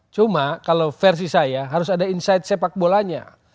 cuma kalau versi saya harus ada insight sepak bolanya